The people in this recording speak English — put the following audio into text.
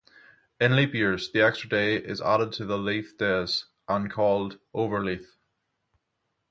In leap years, the extra day is added to the Lithedays and called Overlithe.